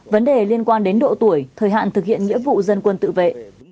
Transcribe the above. vấn đề liên quan đến độ tuổi thời hạn thực hiện nghĩa vụ dân quân tự vệ